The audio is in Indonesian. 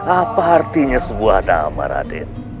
apa artinya sebuah nama raden